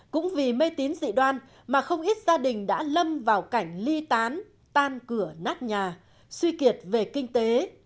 cũng vì mê tín dị đoan mà không ít gia đình đã lâm vào cảnh ly tán tan cửa nát nhà suy kiệt về kinh tế